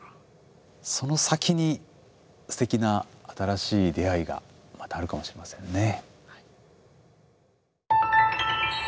その先にすてきな新しい出会いがまたあるかもしれませんね。